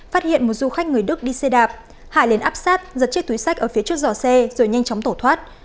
phát hiện một du khách người đức đi xe đạp hải liền áp sát giật chiếc túi sách ở phía trước giò xe rồi nhanh chóng tổ thoát